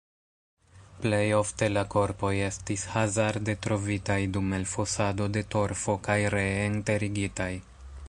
Plej ofte la korpoj estis hazarde trovitaj dum elfosado de torfo kaj ree enterigitaj.